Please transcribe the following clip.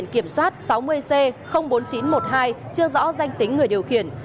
biển kiểm soát sáu mươi c bốn nghìn chín trăm một mươi hai chưa rõ danh tính người điều khiển